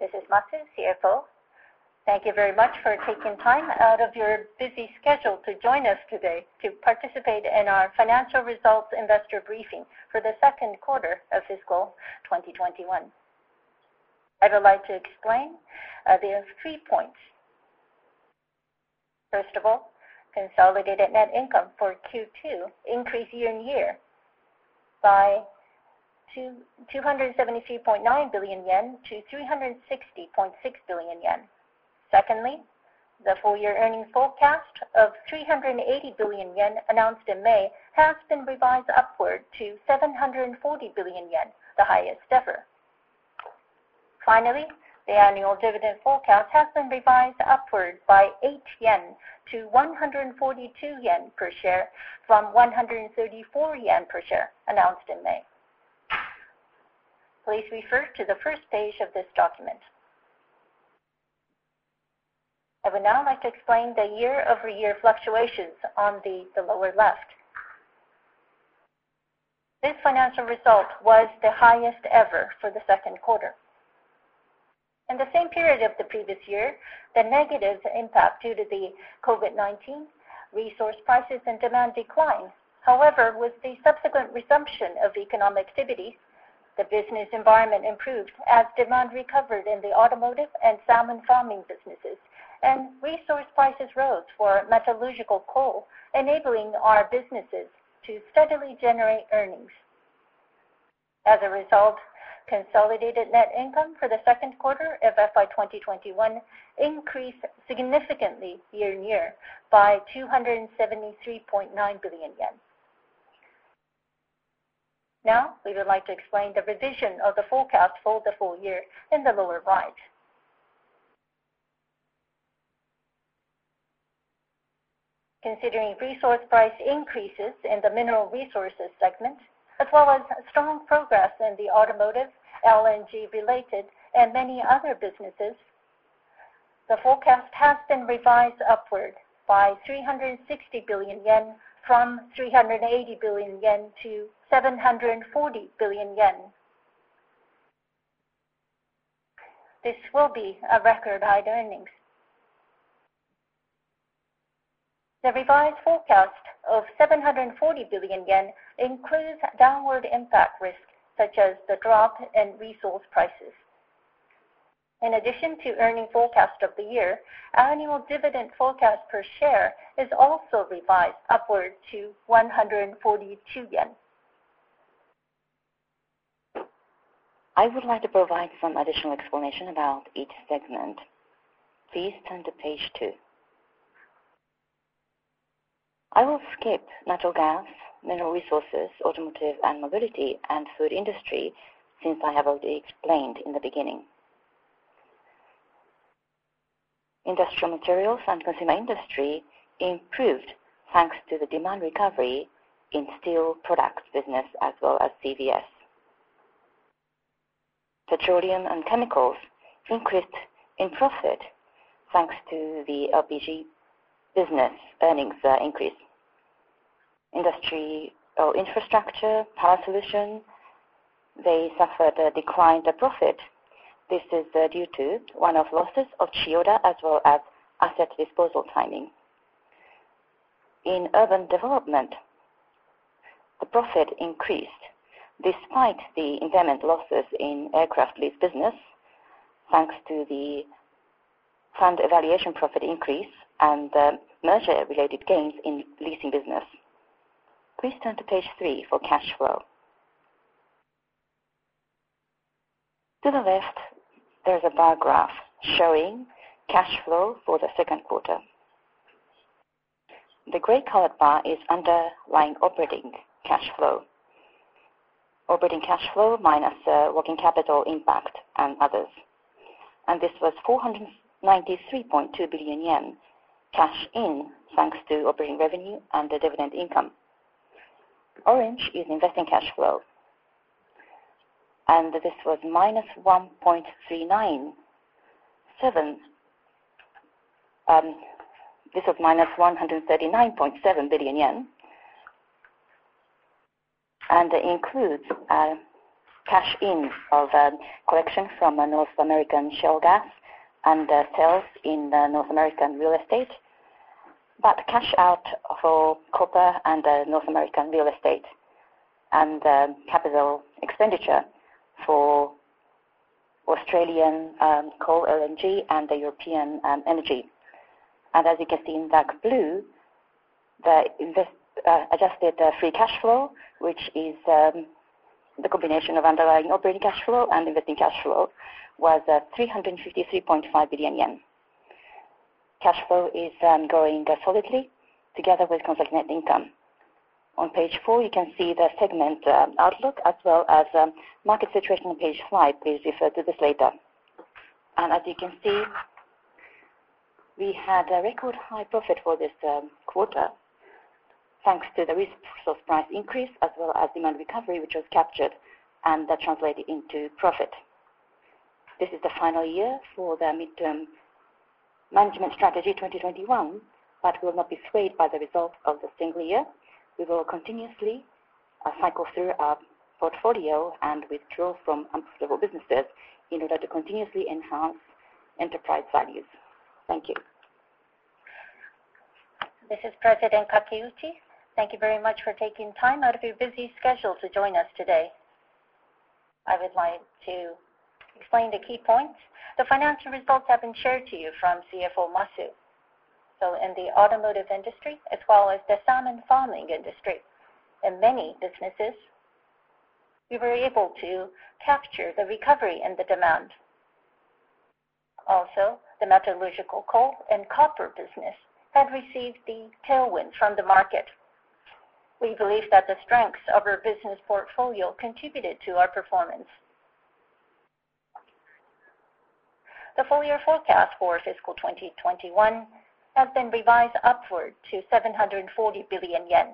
This is Yuzo Nouchi, CFO. Thank you very much for taking time out of your busy schedule to join us today to participate in our financial results investor briefing for the Q2 of fiscal 2021. I would like to explain, there are three points. First of all, consolidated net income for Q2 increased year-on-year by 273.9 billion yen to 360.6 billion yen. Secondly, the full year earnings forecast of 380 billion yen announced in May has been revised upward to 740 billion yen, the highest ever. Finally, the annual dividend forecast has been revised upward by 8 yen to 142 yen per share from 134 yen per share announced in May. Please refer to the first page of this document. I would now like to explain the year-over-year fluctuations on the lower left. This financial result was the highest ever for the Q2. In the same period of the previous year, the negative impact due to the COVID-19 resource prices and demand declined. However, with the subsequent resumption of economic activity, the business environment improved as demand recovered in the automotive and salmon farming businesses, and resource prices rose for metallurgical coal, enabling our businesses to steadily generate earnings. As a result, consolidated net income for the Q2 of FY 2021 increased significantly year-on-year by JPY 273.9 billion. Now, we would like to explain the revision of the forecast for the full year in the lower right. Considering resource price increases in the Mineral Resources segment, as well as strong progress in the Automotive, LNG-related and many other businesses, the forecast has been revised upward by 360 billion yen from 380 billion yen to 740 billion yen. This will be a record-high earnings. The revised forecast of 740 billion yen includes downward impact risks, such as the drop in resource prices. In addition to earnings forecast of the year, annual dividend forecast per share is also revised upward to 142 yen. I would like to provide some additional explanation about each segment. Please turn to page two. I will skip Natural Gas, Mineral Resources, Automotive and Mobility, and Food Industry since I have already explained in the beginning. Industrial materials and consumer industry improved thanks to the demand recovery in steel products business as well as CVS. Petroleum and chemicals increased in profit thanks to the LPG business earnings increase. Industrial infrastructure, power solution, they suffered a decline in profit. This is due to one-off losses of Chiyoda as well as asset disposal timing. In urban development, the profit increased despite the impairment losses in aircraft lease business, thanks to the fund valuation profit increase and the merger-related gains in leasing business. Please turn to page 3 for cash flow. To the left, there's a bar graph showing cash flow for the Q2. The gray-colored bar is underlying operating cash flow, operating cash flow minus working capital impact and others. This was 493.2 billion yen cash in thanks to operating revenue and the dividend income. Orange is investing cash flow, and this was -139.7 billion yen and includes cash in of collection from a North American shale gas and sales in the North American real estate, but cash out for copper and North American real estate and capital expenditure for Australian coal, LNG and European energy. As you can see in dark blue, the adjusted free cash flow, which is the combination of underlying operating cash flow and investing cash flow, was 353.5 billion yen. Cash flow is growing solidly together with consolidated net income. On page four, you can see the segment outlook as well as market situation on page five. Please refer to this later. As you can see, we had a record high profit for this Q2, thanks to the resource price increase as well as demand recovery, which was captured and that translated into profit. This is the final year for the Midterm Corporate Strategy 2021, but we will not be swayed by the results of the single year. We will continuously cycle through our portfolio and withdraw from unsuitable businesses in order to continuously enhance enterprise values. Thank you. This is President Nakanishi. Thank you very much for taking time out of your busy schedule to join us today. I would like to explain the key points. The financial results have been shared to you from CFO Nouchi. In the automotive industry as well as the salmon farming industry, in many businesses, we were able to capture the recovery in the demand. Also, the metallurgical coal and copper business have received the tailwind from the market. We believe that the strengths of our business portfolio contributed to our performance. The full year forecast for fiscal 2021 has been revised upward to 740 billion yen.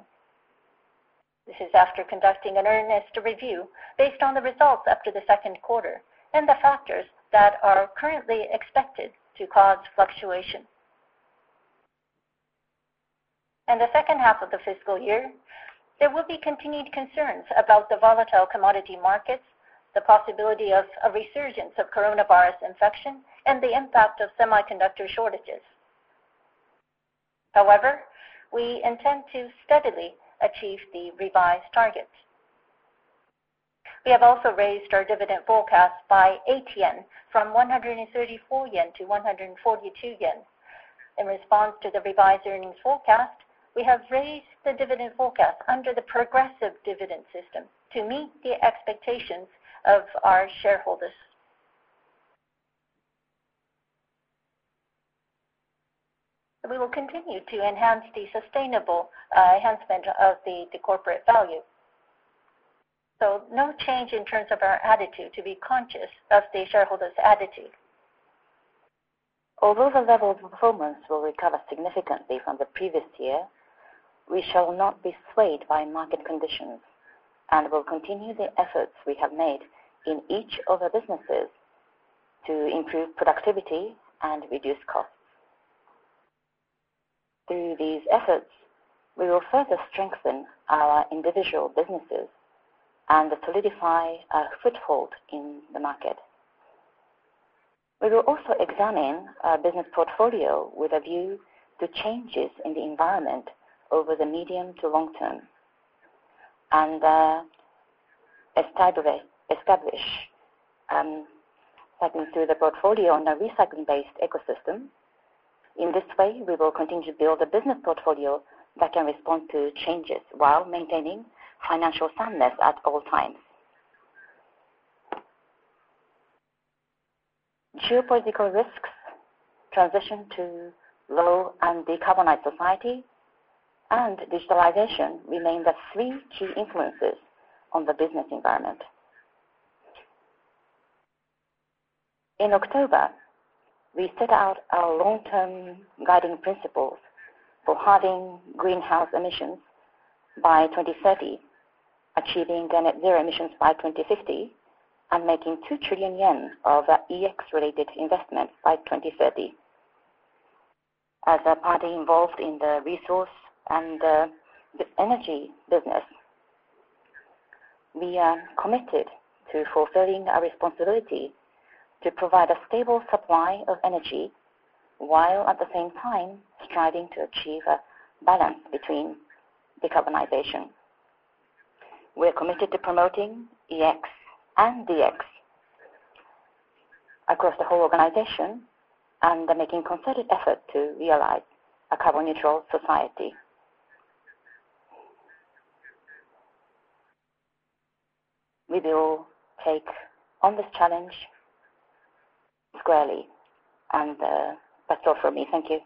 This is after conducting an earnest review based on the results after the Q2 and the factors that are currently expected to cause fluctuation. In the second half of the fiscal year, there will be continued concerns about the volatile commodity markets, the possibility of a resurgence of coronavirus infection, and the impact of semiconductor shortages. However, we intend to steadily achieve the revised targets. We have also raised our dividend forecast by 8 yen from 134 yen to 142 yen. In response to the revised earnings forecast, we have raised the dividend forecast under the progressive dividend system to meet the expectations of our shareholders. We will continue to enhance the sustainable enhancement of the corporate value. No change in terms of our attitude to be conscious of the shareholders' attitude. Although the level of performance will recover significantly from the previous year, we shall not be swayed by market conditions and will continue the efforts we have made in each of the businesses to improve productivity and reduce costs. Through these efforts, we will further strengthen our individual businesses and solidify our foothold in the market. We will also examine our business portfolio with a view to changes in the environment over the medium to long term, and establish through the portfolio on a recycling-based ecosystem. In this way, we will continue to build a business portfolio that can respond to changes while maintaining financial soundness at all times. Geopolitical risks, transition to low and decarbonized society, and digitalization remain the three key influences on the business environment. In October, we set out our long-term guiding principles for halving greenhouse emissions by 2030, achieving net zero emissions by 2050, and making 2 trillion yen of EX-related investments by 2030. As a party involved in the resource and the energy business, we are committed to fulfilling our responsibility to provide a stable supply of energy, while at the same time striving to achieve a balance between decarbonization. We are committed to promoting EX and DX across the whole organization and making concerted effort to realize a carbon neutral society. We will take on this challenge squarely. That's all from me. Thank you.